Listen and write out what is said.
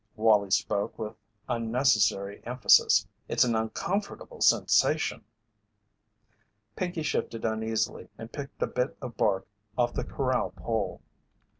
Wallie spoke with unnecessary emphasis. "It's an uncomfortable sensation." Pinkey shifted uneasily and picked a bit of bark off the corral pole.